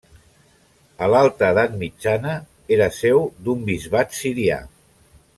A l'alta edat mitjana era seu d'un bisbat sirià.